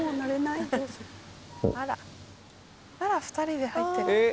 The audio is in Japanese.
あら２人で入ってる。